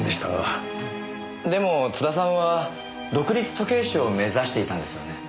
でも津田さんは独立時計師を目指していたんですよね。